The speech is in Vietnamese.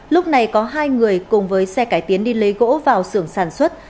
lúc này có hai người cùng với xe cải tiến đi lấy gỗ vào sưởng sản xuất